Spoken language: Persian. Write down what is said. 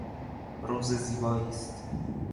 روز زیبایی است.